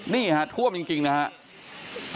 นี่ฮะท่วมจริงนะฮะ